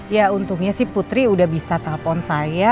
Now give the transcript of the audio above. ya untungnya sih putri udah bisa telepon saya